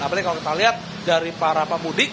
apalagi kalau kita lihat dari para pemudik